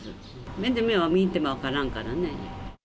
目で見ても分からんからね。